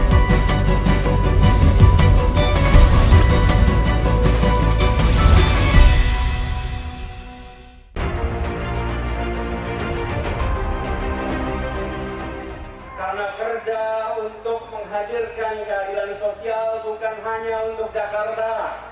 karena kerja untuk menghadirkan keadilan sosial bukan hanya untuk jakarta